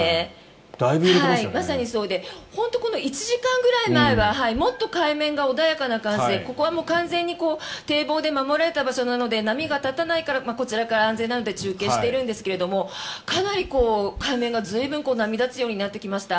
まさにそうでこの１時間くらい前はもっと海面が穏やかな感じでここは完全に堤防で守られた場所なので波が立たないからこちらから安全なので中継しているんですがかなり海面が随分波立つようになってきました。